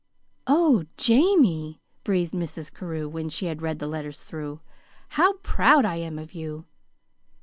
"Oh, Jamie!" breathed Mrs. Carew, when she had read the letters through. "How proud I am of you!"